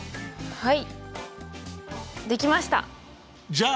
はい。